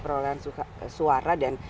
perolahan suara dan